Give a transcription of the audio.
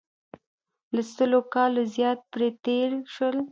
له سلو کالو زیات پرې تېر شول.